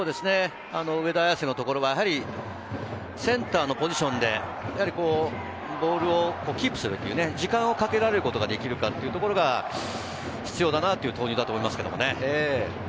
上田綺世のところはやはりセンターのポジションでボールをキープする時間をかけられることができるかっていうところが必要だなっていうことだと思いますけどね。